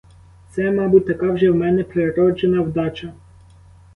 Це, мабуть, така вже в мене природжена вдача.